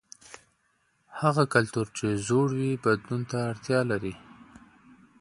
هغه کلتور چې زوړ وي بدلون ته اړتیا لري.